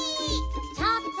ちょっと！